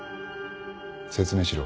説明しろ。